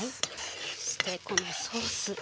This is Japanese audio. そしてこのソース。